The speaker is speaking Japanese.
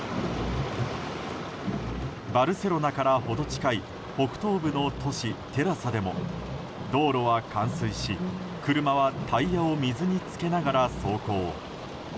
バルセロナから程近い北東部の都市テラサでも道路は冠水し、車はタイヤを水につけながら走行。